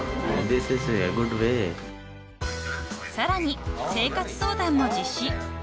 ［さらに生活相談も実施］